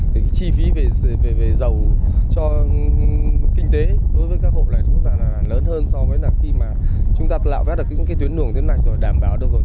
thì cái chi phí về dầu cho kinh tế đối với các hộ này cũng là lớn hơn so với khi mà chúng ta lạo vét được những cái tuyến đường như thế này rồi đảm bảo được rồi